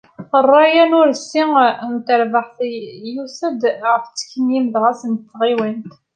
Rray-a n ureṣṣi n tarbaεt-a, yiusa-d ɣef tekti n yimezdaɣ n tɣiwant.